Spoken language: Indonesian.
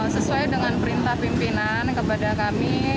sesuai dengan perintah pimpinan kepada kami